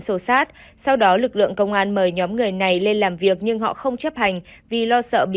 sổ sát sau đó lực lượng công an mời nhóm người này lên làm việc nhưng họ không chấp hành vì lo sợ bị